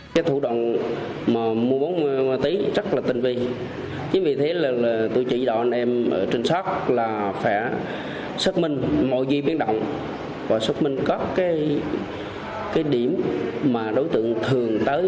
tôi chỉ dọa anh em trinh sát là phải xác minh mọi gì biến động và xác minh các cái điểm mà đối tượng thường tới